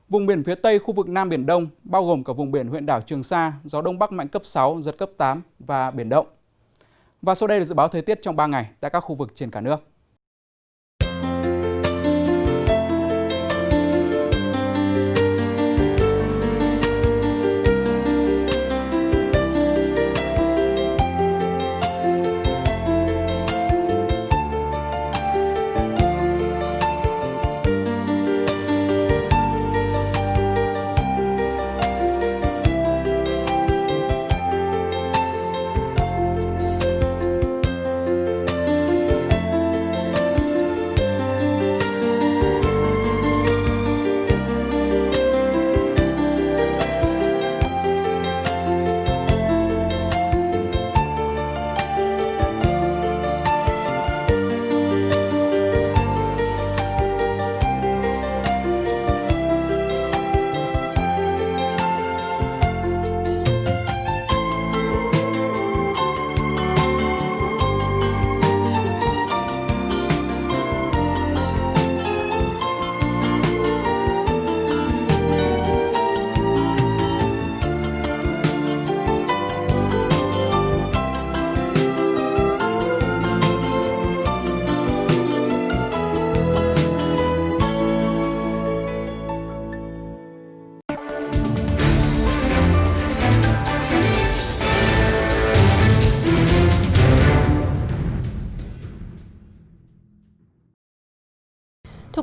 vùng biển phía tây khu vực nam biển đông bao gồm cả vùng biển huyện đảo trường sa gió đông bắc mạnh cấp sáu rớt cấp tám biển động mạnh sóng biển cao từ hai đến bốn mét